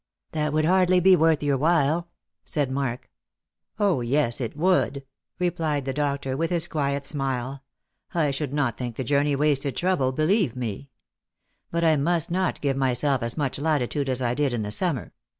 *" That would hardly be w^orth your while," said Mark. " 0, yes, it would," replied the doctor with his quiet smile :" I should not think the journey wasted trouble, believe me, But I must not give myself as much latitude as I did in the summer.